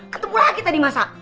ketemu lagi tadi masa